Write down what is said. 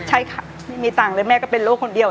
ใช่ค่ะไม่มีตังค์เลยแม่ก็เป็นโรคคนเดียว